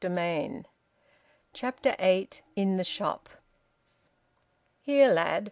VOLUME ONE, CHAPTER EIGHT. IN THE SHOP. "Here, lad!"